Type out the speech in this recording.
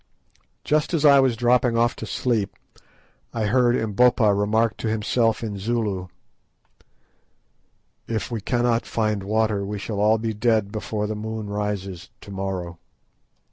Just as I was dropping off to sleep I heard Umbopa remark to himself in Zulu— "If we cannot find water we shall all be dead before the moon rises to morrow."